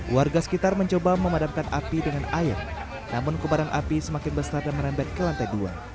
warga sekitar mencoba memadamkan api dengan air namun kebaran api semakin besar dan merembet ke lantai dua